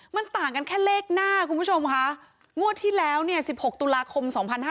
มันต่างกันแค่เลขหน้าคุณผู้ชมค่ะงวดที่แล้วเนี่ย๑๖ตุลาคม๒๕๕๙